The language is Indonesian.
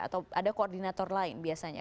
atau ada koordinator lain biasanya